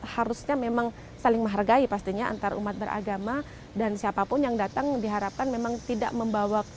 harusnya memang saling menghargai pastinya antara umat beragama dan siapapun yang datang diharapkan memang tidak membawa